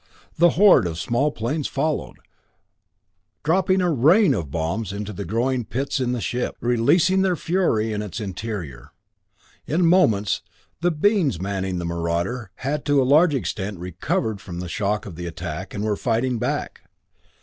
The horde of small planes followed, dropping a rain of bombs into the glowing pits in the ship, releasing their fury in its interior. In moments the beings manning the marauder had to a large extent recovered from the shock of the attack and were fighting back.